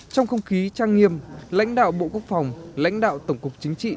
trong không khí trang nghiêm lãnh đạo bộ quốc phòng lãnh đạo tổng cục chính trị